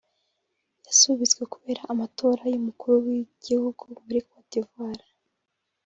yasubitswe kubera amatora y’Umukuru w’Igihugu muri Côte d’Ivoire